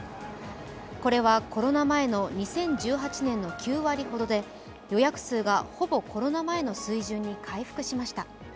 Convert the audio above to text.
これはコロナ前の２０１８年の９割ほどで予約数がほぼコロナ前の水準に回復しました。